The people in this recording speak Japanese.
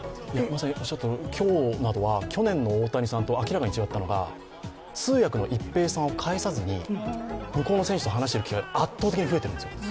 今日などは去年の大谷さんと明らかに違ったのは通訳の一平さんを介さずに向こうの選手と話している機会が圧倒的に増えているんですよ。